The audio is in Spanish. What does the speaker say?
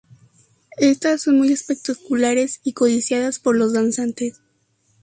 Estas son muy espectaculares y codiciadas por los danzantes.